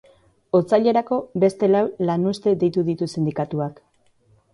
Otsailerako beste lau lanuzte deitu ditu sindikatuak.